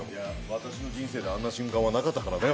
私の人生であんな瞬間はなかったからね。